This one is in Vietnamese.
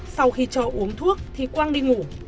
sau khi cho uống thuốc thì quang đi ngủ